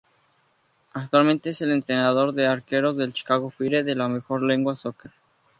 Actualmente es el entrenador de arqueros del Chicago Fire de la Major League Soccer.